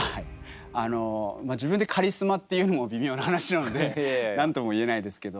あの自分でカリスマって言うのも微妙な話なので何とも言えないですけど。